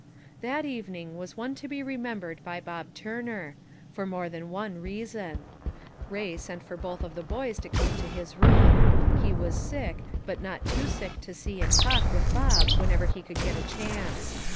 That evening was one to be remembered by Bob Turner, for more than one reason. Bay sent for both of the boys to come to his room; he was sick, but not too sick to see and talk with Bob whenever he could get a chance.